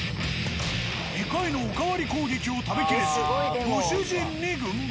２回のおかわり攻撃を食べきれずご主人に軍配。